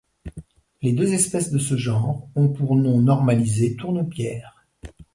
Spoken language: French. Les deux espèces de ce genre ont pour nom normalisé tournepierre.